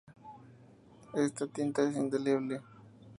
Esta tinta es indeleble.